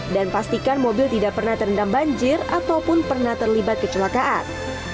dan pastikan mobil tidak pernah terendam banjir ataupun pernah terlibat kecelakaan